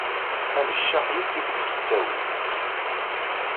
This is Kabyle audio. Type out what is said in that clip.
Ameccaq yif tikli s ttawil.